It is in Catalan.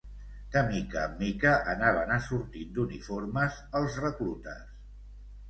De mica en mica anaven assortint d'uniformes els reclutes